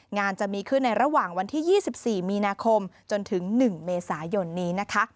งานจะมีขึ้นในระหว่างวันที่๒๔มีนาคมจนถึง๑เมษายนนี้นะคะ